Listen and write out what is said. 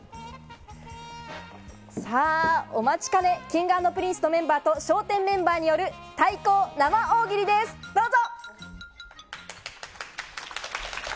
さあ、お待ちかね、Ｋｉｎｇ＆Ｐｒｉｎｃｅのメンバーと笑点メンバーによる対抗生大喜利です、どうぞ！